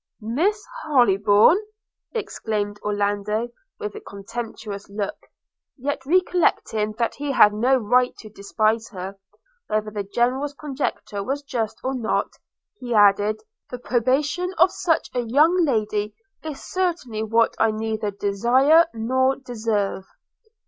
'Miss Hollybourn!' exclaimed Orlando with a contemptuous look; yet recollecting that he had no right to despise her, whether the General's conjecture was just or not, he added, 'The approbation of such a young lady is certainly what I neither desire nor deserve.'